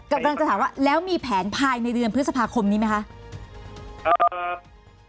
กำลังจะถามว่าแล้วมีแผนภายในเดือนพฤษภาคมนี้ไหมคะ